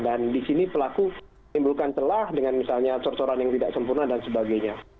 dan di sini pelaku timbulkan celah dengan misalnya cor coran yang tidak sempurna dan sebagainya